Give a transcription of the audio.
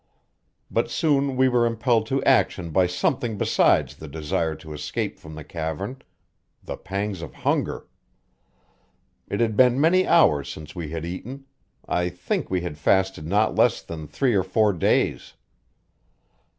But soon we were impelled to action by something besides the desire to escape from the cavern: the pangs of hunger. It had been many hours since we had eaten; I think we had fasted not less than three or four days.